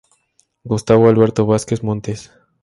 Gustavo Alberto Vázquez Montes.